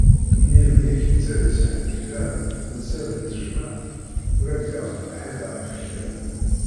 Imi ur ak-yettalas ḥed kra! Tensiḍ deg tejmaɛt ur ak-d-yehḍir ḥed ɣef kra.